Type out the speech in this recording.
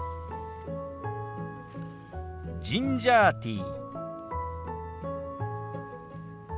「ジンジャーティー」。